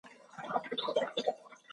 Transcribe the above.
همداسې ښه یم ښه سم غرق خانه خراب لاندې